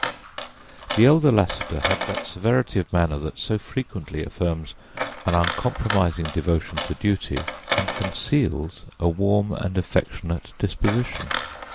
The elder Lassiter had that severity of manner that so frequently affirms an uncompromising devotion to duty, and conceals a warm and affectionate disposition.